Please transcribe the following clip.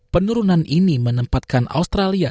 penurunan ini menempatkan australia